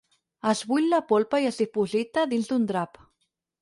Es bull la polpa i es diposita dins un drap.